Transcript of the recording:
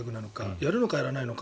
やるのか、やらないのか。